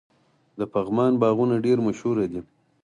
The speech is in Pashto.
د پغمان باغونه ډیر مشهور دي.